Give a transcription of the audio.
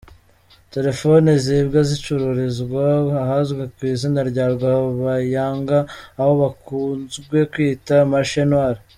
Telefone zibwa zicururizwa ahazwi ku izina rya Rwabayanga aho bakunzwe kwita “Marché noir”.